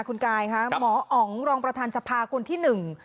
คุณกายค่ะหมออ๋องรองประธานสภาคนที่หนึ่ง